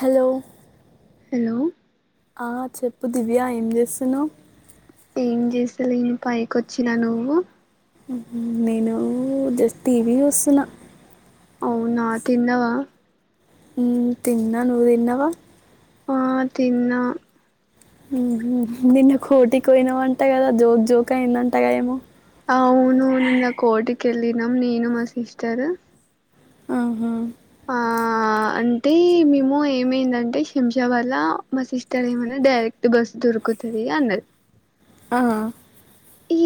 Hello hello ఆ చెప్పు దివ్య ఏం చేస్తున్నావ్ ఏం చేస్తాలేను పైకొచ్చినా నువ్వు ఊహూ నేను జస్ట్ టీ వీ వస్తున్నా అవునా తిన్నావా ఉమ్ తిన్నా నువ్ తిన్నావా ఆ తిన్నా ఊహూ నిన్న కోఠి కి వోయినవంట కదా జోక్ జోకయ్యిందంటగా ఏమో అవును నిన్న కోఠి కెళ్ళినం నేను మా సిస్టర్ ఆహా ఆ అంటే మేము ఏమైందంటే శంషాబాద్ ల మా సిస్టర్ ఏమనే డైరెక్ట్ బస్సు దొరుకుతుది అన్నది ఆ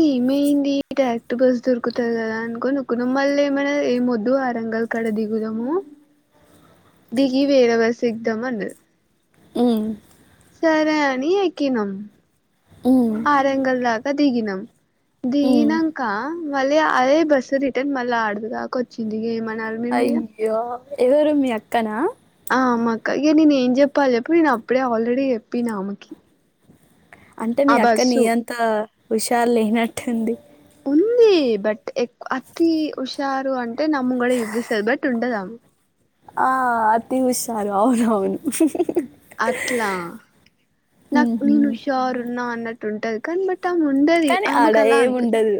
ఏమైయింది డైరెక్ట్ బస్ దొరుకుతది కదా అనుకోని ఊక్కున్నాం మళ్ళి ఏమనే ఏమొద్దు ఆరంగల్ కడ దిగుదాము దిగి వేరే బస్ ఎగ్దాము అన్నది మ్, సరే అని ఎక్కినం మ్, ఆరంగల్ దాకా దిగినం మ్. దిగినంక మళ్ళీ అదే బస్సు రిటర్న్ మళ్ళ అడది దాకొచ్చింది ఏమ అయ్యో ఎవరు మీ అక్కనా ఆ మా అక్క ఇగ నేను ఏం చెప్పాలి చెప్పు నేను అప్పుడే ఆల్రెడీ చెప్పిన ఆమెకి అంటే ఆ మీ అక్క నీ బస్సు అంత హుషారు లేనట్టుంది ఉంది బట్ ఎ అతి హుషారు అంటే నా ముంగడే ఇబ్బిస్తాది బట్ ఉంటదామె ఆ అతి హుషారు అవును అవును అట్లా నాకు మ్హూ. నేను హుషారున్నా అన్నట్ టుంటాది కానీ బట్ ట్టం ఉండది కానీ ఆడ ఆమెకు అలా అనిపిత్ ఏముండదు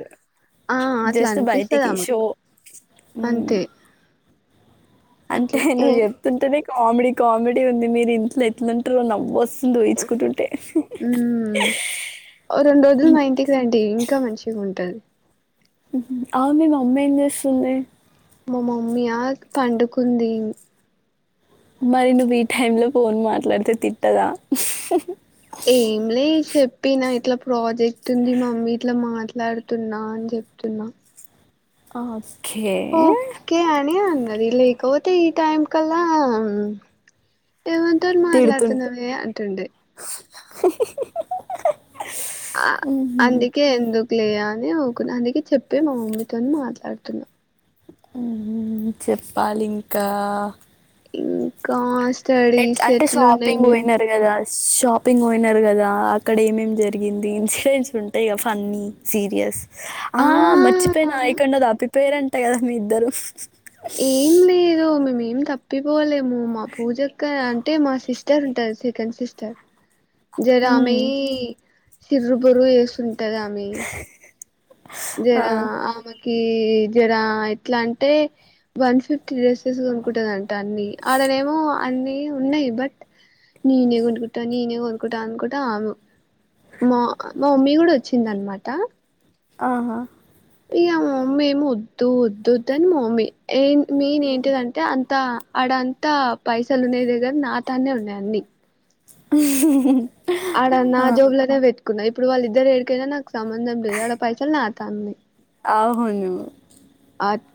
ఆ అట్లా జస్ట్ అనిపిస్తది బయటికి ఆమెకు షో మ్. అంతే అంటే అట్లా ఏ నువ్వ్ చెప్తుంటేనే కామెడీ కామెడీ ఉంది మీరు ఇంట్లో ఎట్లుంటారో నవ్ స్తు దోయిచుకుంటుంటే ఉమ్ ఓ రెండు రోజులు మా ఇంటికి రండి ఇంకా మంచిగా ఉంటుంది అవు మీకు అమ్మాయి ఏం చేస్తుంది మా మమ్మయా పండుకుంది మరి నువ్వు ఈ టైం లో ఫోన్ మాట్లాడితే తిట్టదా ఏం లే చెప్పిన ఇట్లా ప్రాజెక్ట్ ఉంది మమ్మీ ఇట్లా మాట్లాడుతున్నా అని చెప్తున్నా ఆ ఓకే అని అన్నది లేకవొ టీ టైం కల్లా ఎవనితోని తిడుతుంటే మాట్లాడుతున్నవే అంటుండె ఆ అందుకే ఎందుకు లేయా దే ఊకున్నా అందుకే చెప్పే మా మమ్మీతోని మాట్లాడుతున్నా ఊహూ చెప్పాలింకా ఇంకా ఎట్ స్టడీస్ అంటే ఎట్లున్నాయి షాపింగ్ మీవి పోయినారు కదా షాపింగ్ పోయినారు కదా అక్కడ ఏమేం జరిగింది ఇన్సిడెంట్స్ ఉంటాయి కద ఫన్నీ సీరియస్ ఆ మచ్చిపోనా ఆ అయికండ దాపి పేరెంట కదమ్ మీ ఇద్దరు ఏం లేదు మేమేం తప్పిపోలేము మా పూజక్క అంటే మా సిస్టర్ ఉంటది సెకండ్ సిస్టర్ జరామ మ్మ్, [unintelligible] ంటద జరా ఆ జడ ఎట్లా అంటే వన్ ఫిఫ్టీ డేస్ తీసుకునుకుంటుందంట అన్ని ఆడనే ఏమో అన్ని ఉన్నాయి బట్ నేనే కొనుకుంటా నేనే కొనుకుంటా అనుకుంటా మా మా మమ్మీ కూడా వచ్చింద అనమాట ఆహా ఇ ఆ మమ్మీ ఏమి వద్దు వద్ద్ అని మమ్మీ ఏ మెయిన్ ఏంటిదంటే అంత అడంతా పైసలు ఉన్న దగ్గర నా తానే ఉన్నాయి అన్నన్ని అడ నా జోబ్ల తవట్ కుయి ఇప్పుడు వాళ్ళిద్దరు ఎ ఏడికైనా నాకు సంబంధం లేదు ఆడ పైసలు నాత అన్నాయి అవును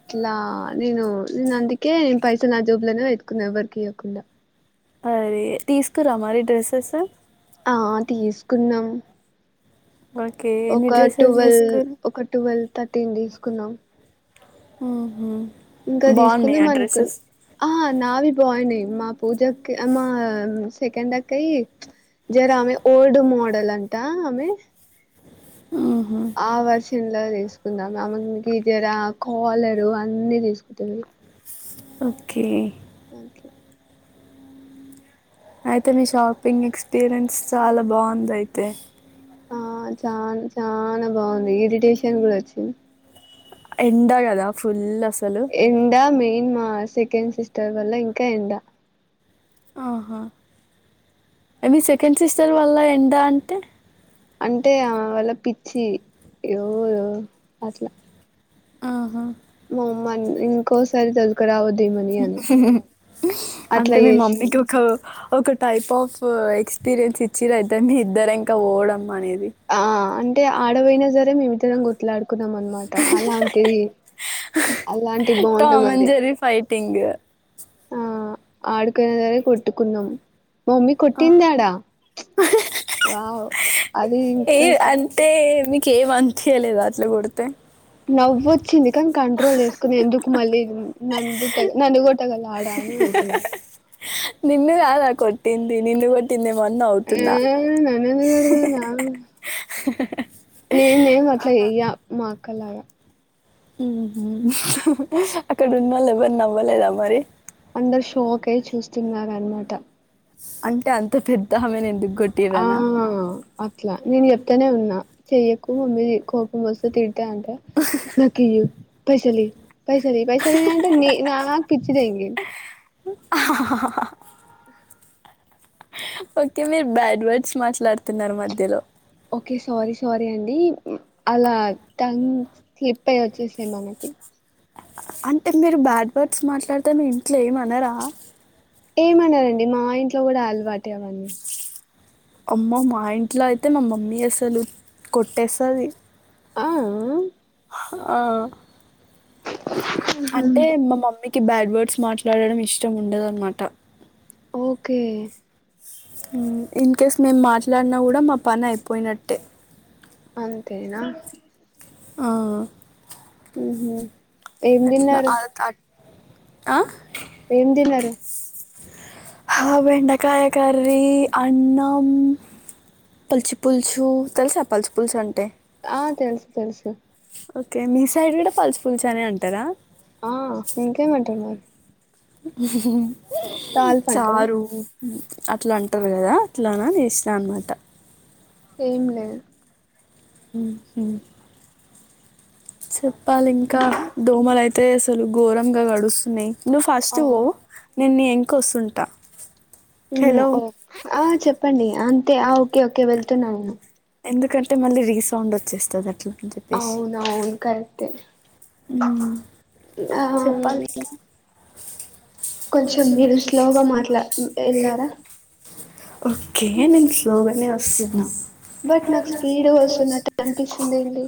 ఇట్లా నేను నేను అందుకే నేను పైసా నా జోబులోనే వెతుకున్నా ఎ వర్కి ఇవ్యకుండా అరే తీసుకురా మరి డ్రెస్సెస్ ఆ తీసుకుందాం ఓకే ఎన్ని ఒక డ్రెస్సెస్ టువెల్ర్ తీసుకురు ఒక టువెల్వ్ థర్టీని తీసుకున్నాం హుహు ఇంకా తీసుకుంది మనుకుని ఆ నావి పోయినే మా పూజ మా సెకడాక జరా అమె ఓల్డ్ మోడల్ అ టా అమె ఆవాసల్లోసు తీకుాం అమ్కి ఇర కోళరు అన్ని తీసుకుంట ఓకే మట్లో అయితే మీ షాపింగ్ ఎక్స్పీరియన్స్ చాలా బాగుంది అయితే ఆ చా చానా బాగుంది ఇరిటేషన్ కూడా వచ్చింది ఎండ కదా ఫుల్ అసలు ఎండ మీ నేను మా సెకండ్ సిస్టర్ వల్ల ఇంకా ఎండ ఆహా మీ సెకండ్ సిస్టర్ వల్ల ఎండ అంటే అంటే వల్ల పిచ్చి ఇగో అట్లా ఆహా పోమ్మను ఇంకోసారి తోలుకరావద్దు అట్లా అంటే మీ చేసింది మమ్మీకి ఒక ఒక టైప్ ఆఫ్ ఎక్స్పీరియన్స్ ఇచ్చి రైతే మీ ఇద్దరు ఇంకా ఓడం అనేది ఆ అంటే ఆడ వోయిన సరే మే మిద్దరం కొట్ మాట్లాడుకున్నాం అన్మట అలాంటిది అలాంటి బాండ్ టామ్ అండ్ మాది జెర్రీ ఫైటింగ్ ఆ ఆడికెనసరే కొట్టుకున్నాం మా మమ్మీ కొట్టిందాడ వావ్ అది ఏ ఇంకా అంతే మీ కేం అన్పియలేద అట్లా కొడితే నవ్వుత్ చింది కని కంట్రోల్ చేసుకుని ఎందుకు మళ్ళీ నంది తగ ననుకోటు నిన్ను కాదా కొట్ ఇంది నిన్ను కొటిందేమో ఆ నన్నెందుకు తిడుతది నా నేనేం అట్లా చేయ్యా మా అక్క లాగ హు అక్కడ ఉన్నాళ్ళ ఎవరి నవ్వలేద మరి అందరు షోక్ అయి చూస్తున్నారు అన్నామాట అంటే అంత పెద్ద ఆమె ఎందుకు ఆ కొట్టిరనా అట్లా నేను చెప్తానే ఉన్నా చెయకు మమ్మీ తిడు కోపం వస్తె తిడు తే అంటే నాకి పైసలి పైస లి పైస లి అంటే నే నాకు పిచ్చి! ! ! ! ! ! ! ! ! ఆ ఓకే మీరు బ్యాడ్ వర్డ్స్ మాట్లాడుతున్నారు మధ్యలో ఓకే స్వారీ స్వారీ అండి అలా టంగ్ స్లిప్ అయి వచ్చేసి ఏమో మే బి అంటే మీరు బ్యాడ్ వర్డ్స్ మాట్లాడితే మీ ఇంట్లో ఏమనరా ఏమన రండి మా ఇంట్లో కూడా అలవాటే అవన్నీ అమ్మో మా ఇంట్లో అయితే మా మమ్మీ అసలు కొట్టేస్తది ఆ ఆ అంటే మా మమ్మీ కి బ్యాడ్ వర్డ్స్ మాట్లాడటడం ఇష్టం ఉండదన్నమాట ఓకే ఇన్ కేేస్ మేము మాట్లాడినా కూడా మా పని అయిపోయినట్టే అంతే నా ఆ ఉహు ఏం అట్లా తిన్నారు ఆ ఆ. ఏం తిన్నారు. బెండకాయ కర్రీ అన్నం పచ్చిపులుసు తెలుసా పచ్చిపులుసు అంటే. ఆ తెలుసు తెలుసు. ఓకే మీ సైడ్ కూడా పచ్చి పులుసే అనే అంటారా. ఆ ఇంకే మీ అంటారు మరి. హుహు. తాలిపంటనా చారు అట్లా అంటారు కదా అట్లాన చేసిన అన్నమాట. ఏం లేదు. హు హు చెప్పాలి ఇంకా దోమలు అయితే. తే అసలు ఘోరంగాగా గడుస్తున్నాయి. నువ్వు ఫస్ట్ వో అవును నేను ఎం. కోసుంటా. ఊ ఓ ఆ చెప్పండి అం. తే ఓకే ఓకే వెళ్తున్నా నేను. ఎందుకంటే మళ్ళీ రీసౌండ్ వచ్చేస్తుంది అట్లా. అని అవును అవును కరెక్టే హు ఆ చెప్పాలి ఇంకా. కొంచం మీరు స్లోగా మాట్లా వెళ్లారా. ఓకే నేను స్లోగానే వస్తున్న. నా. బట్ నాకు స్పీడ్ వస్తున్నట్టు అనిపిస్తుంది ఏంది.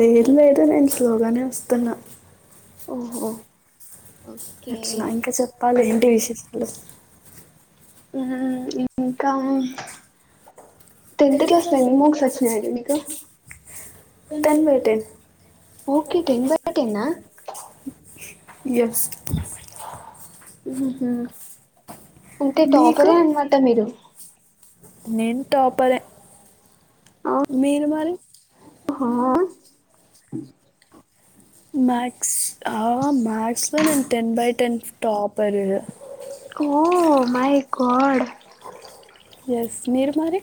లేదు లేదు నేను స్లోగానే వస్తున్న. ఓహో. ఓకే అట్లా ఇంకా చెప్పాలి ఏంటి విశేషాలు. మ్మ్ హ్మ్ ఇంకా టెన్త్ క్లాస్లో ఎన్ని మార్క్స్ వచ్చినాయండి మీకు ten by ten okay tenth by టెన్నా. ఎస్. మ్మ్ హ్మ్ అంటే మీకు టాపరే అనమాట మీరు. నేను టాపరే మీరు మరి. ఓ హా. మక్స్ మథస్లో నేను ten by ten topper. Oh my god. Yes మీరు మరి.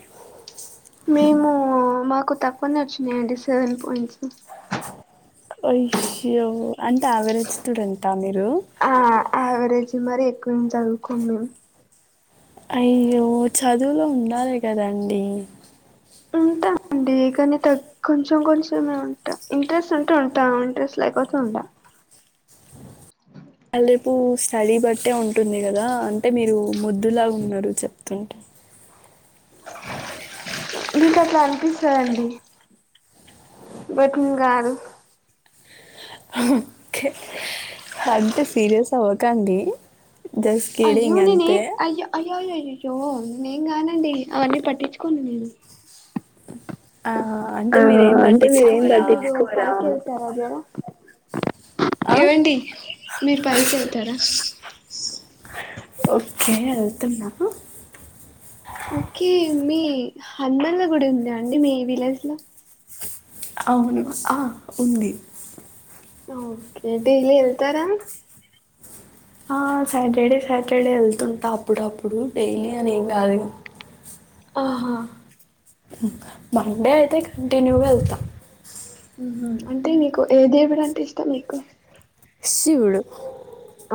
మేము మాకు తక్కు డుచ్చినా అండి సవన్ పాయింట్స్ యషో అంటే అయావరేజ్ స్టూడెంట్ మీరు రు ఆ యావరేజ్ మరి ఎక్కువ ఎం చదువుకొను అయ్యో చదువులో ఉండాలి కద అండి ఉంటా అండి కానీ తగ్ కొంచెం కొంచెంే ఉంటా ఇంట్రెస్ట్ ఉంటే ఉంటా ఇంట్రెస్ట్ లేకపోతే ఉండా రేపు స్టడీ బట్టే ఉంటుంది కదా అంటే మీరు ముద్దులా ఉన్నారు చెప్తుంటే మీక అట్లా అనిపిస్తదండి బటన్ంగారు ఓకే అంటే సీరియస్ అవ్వకండి జస్ట్ అయ్యో కిడ్డింగ్ నేను అంతే. ఏం అయి అయ్యేయో అయ్యాయో నేం నండి అవన్నీ పట్టించుకోం నేను ఆ! అంటే ఆ మీరేం అంటే మీరేం పట్టించుకోరా? పట్టించుకోరా వాగెరా ఆ పైకి వెళ్తారా ఓకే వెళ్తున్నా ఓకే మీ హనుమన్ల గుడి ఉందా అండి మీ విలేజ్ లో అవును ఆ ఉంది ఓకే డైలీ వెళ్తారా ఆ సాటర్డే సాటర్డే వెళ్తుంటా అప్పుడప్పుడు డైలీ అని ఏం కాదు ఆహా మండే అయితే కంటన్యూ గా వెళ్తా అంటే నీకు ఏ దేవుడు అంటే ఇష్టం మీకు శివుడు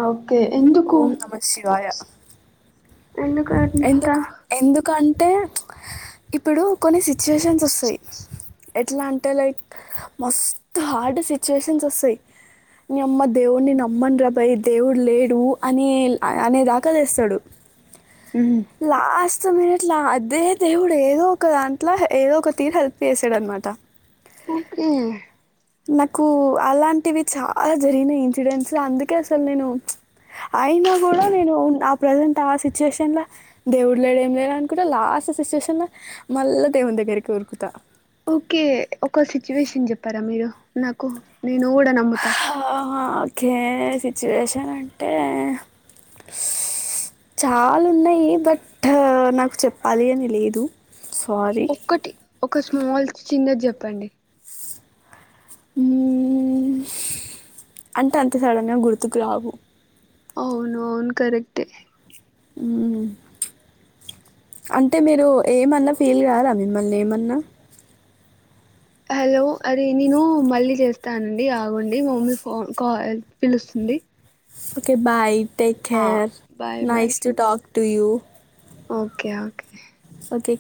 అవు కే ఎందుకు ఓం నమ శివాయ ఎందుకంట ఎందుకు ఎందుకం టే ఇప్పుడు కొన్ని సి సిచ్యువేషన్స్ వస్తాయి ఎట్లా అంటే లైక్ మస్తు హార్డ్ సిచ్యుయేషన్స్ వస్తాయి నీ అమ్మ దేవుడిని నమ్మను రాబయయి దేవుడు లేడు అని అనే దాకతేస్థాడు మ్మ్. లాస్ ట మమట్లా అదే దేవుడు ఏదో ఒక దాంట్లో ఏదో ఒక తీరు హెల్ప్ చేసాడు అనమాట ఓకే నాకు అలాంటివి చాలా జరిగిన ఇన్సిడెంట్స్ అందుకే అసలు నేను అయినా కూడా నేను ఆ ప్రజెంట్ ఆ సిచ్యుయేషన్ లో దేవుడు లేడ ఏం లేదు అనుకుంటే లాస్ట్ సిచ్యుయేషన్ లో మళ్ళా దేవుని దగ్గరికి ఉరుకుతా ఓకే ఒక సిచ్యువేషన్ చెప్పారా మీరు నాకు నేను కుడా నముతా ఆ ఓకే సిచ్యువేషన్ అంటే చాలా ఉన్నాయి బట్ నాకు చెప్పాలి అని లేదు సారీ. ఒక్కటి ఒక స్మాల్ చిన్న జప్ ముప్పండి ఉమ్ అంటే అంతే సడన్ గా గుర్తుకు రావు అవును అవును కరెక్ట్ ఏ ఉమ్ అంటే మీరు ఏమన్నా ఫీల్ కారా మిమ్మల్ని ఏమన్నా హలో అది నేను మళ్ళీ చేస్తానండి ఆగండి మా మమ్మీ ఫోన్ కాల్ పిలుస్తుంది ఓకే బాయ్ టేక్ ఆ care bye bye nice to talk to you okay okay okay